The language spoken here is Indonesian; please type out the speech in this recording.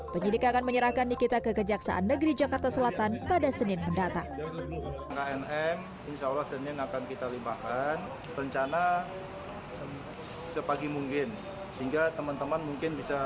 penyidik akan menyerahkan nikita ke kejaksaan negeri jakarta selatan pada senin mendatang